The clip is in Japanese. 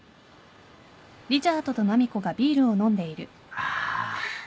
ああ。